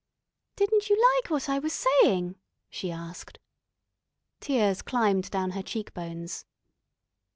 "Didn't you like what I was saying?" she asked. Tears climbed down her cheekbones.